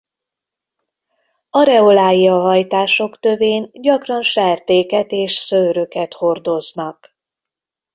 Areolái a hajtások tövén gyakran sertéket és szőröket hordoznak.